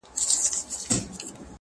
• جوړ له انګورو څه پیاله ستایمه,